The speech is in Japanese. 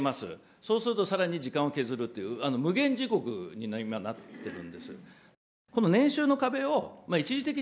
そうすると、更に時間を削るっていう、無限地獄に今、なってるんです。